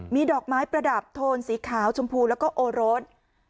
มีดอกไม้ประดับโทนสีขาวชมพูแล้วก็โอโรส